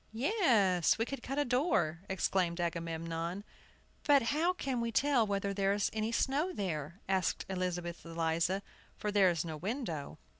"Yes, we could cut a door," exclaimed Agamemnon. "But how can we tell whether there is any snow there?" asked Elizabeth Eliza, "for there is no window."